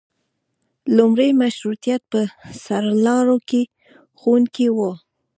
لومړي مشروطیت په سرلارو کې ښوونکي وو.